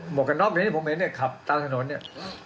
หมวกกระน๊อบนี้ผมเห็นขับตามถนนนี่